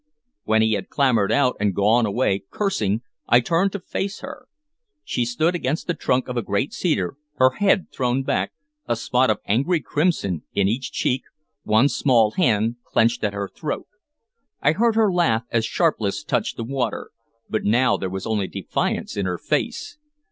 When he had clambered out and had gone away, cursing, I turned to face her. She stood against the trunk of a great cedar, her head thrown back, a spot of angry crimson in each cheek, one small hand clenched at her throat. I had heard her laugh as Sharpless touched the water, but now there was only defiance in her face.